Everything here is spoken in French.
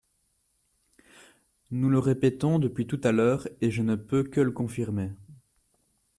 Nous le répétons depuis tout à l’heure, et je ne peux que le confirmer.